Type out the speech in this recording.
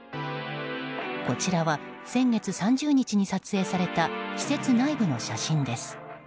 こちらは先月３０日に撮影された施設内部の写真です。